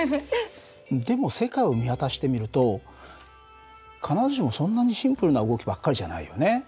でも世界を見渡してみると必ずしもそんなにシンプルな動きばっかりじゃないよね。